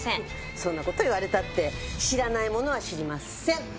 そんな事言われたって知らないものは知りません。